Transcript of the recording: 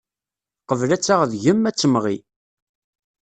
Qbel ad taɣ deg-m, ad temɣi.